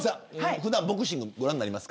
普段ボクシングご覧になりますか。